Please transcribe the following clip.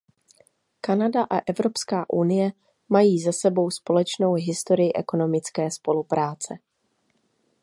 Kanada a Evropská unie mají za sebou společnou historii ekonomické spolupráce.